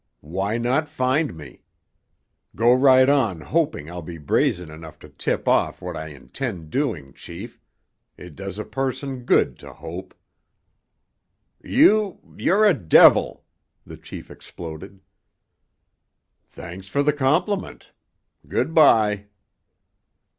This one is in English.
Why not find me? Go right on hoping I'll be brazen enough to tip off what I intend doing, chief—it does a person good to hope." "You—you're a devil!" the chief exploded. "Thanks for the compliment! Good by!"